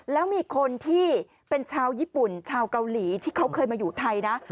แล้วมีคนที่เป็นชาวญี่ปุ่นชาวเกาหลีที่เขาเคยมาอยู่ไทยนะ